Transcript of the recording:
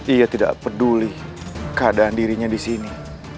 ia tidak peduli keadaan dirinya di sini